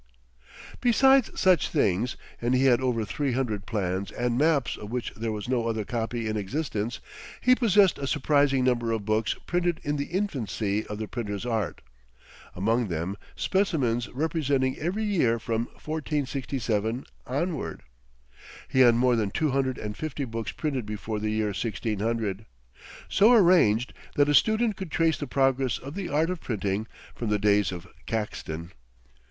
Besides such things (and he had over three hundred plans and maps of which there was no other copy in existence), he possessed a surprising number of books printed in the infancy of the printer's art; among them specimens representing every year from 1467 onward. He had more than two hundred and fifty books printed before the year 1600, so arranged that a student could trace the progress of the art of printing from the days of Caxton.